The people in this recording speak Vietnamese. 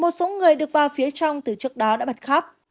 một số người được vào phía trong từ trước đó đã bật khóp